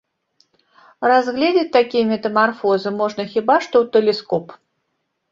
Разгледзець такія метамарфозы можна хіба што ў тэлескоп.